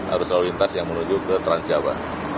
arus lalu lintas yang menuju ke transjawa